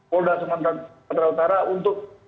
polda sumatera utara untuk